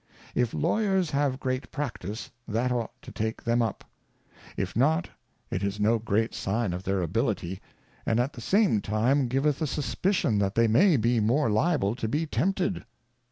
If Lawyers have great Practice, that ought to take them up ; if Members in Parliament. 157 if not, it is no great sign of their Ability ; and at the same time giveth a suspicion, that they may be more liable to be tempted.